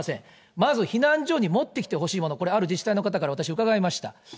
まず避難所に持ってきてほしいもの、これある自治体の方から、私、伺いました。